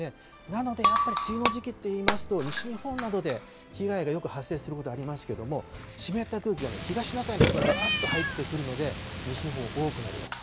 なので、やっぱり梅雨の時期っていいますと、西日本などで被害がよく発生することがありますけども、湿った空気が東シナ海のほうからわーっと入ってくるので、西日本、多くなります。